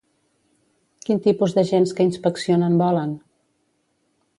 Quin tipus d'agents que inspeccionen volen?